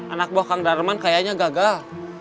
anak buah kang darman kayaknya gagal